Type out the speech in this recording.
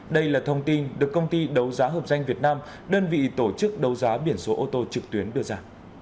đây là thông tin được công ty đấu giá hợp danh việt nam đơn vị tổ chức đấu giá biển số ô tô trực tuyến đưa ra